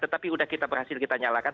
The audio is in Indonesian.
tetapi udah kita berhasil kita nyalakan